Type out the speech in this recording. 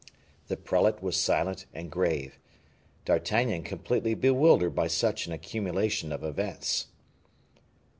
The prelate was silent and grave; D'Artagnan completely bewildered by such an accumulation of events.